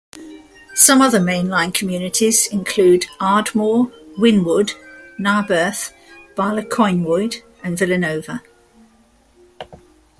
Some other Main Line communities include Ardmore, Wynnewood, Narberth, Bala Cynwyd and Villanova.